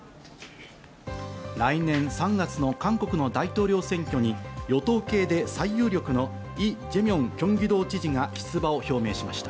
来年３月の韓国の大統領選挙に与党系で最有力のイ・ジェミョン京畿道知事が出馬を表明しました。